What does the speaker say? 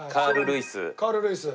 カール・ルイス。